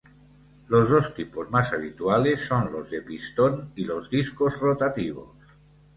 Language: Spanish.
Los dos tipos más habituales son los de pistón y los discos rotativos.